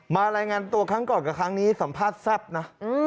รายงานตัวครั้งก่อนกับครั้งนี้สัมภาษณ์แซ่บนะ